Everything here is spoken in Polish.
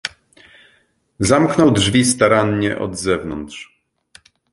"Zamknął drzwi starannie od zewnątrz."